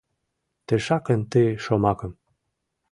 Тышакын ты шомакым